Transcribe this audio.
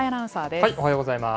おはようございます。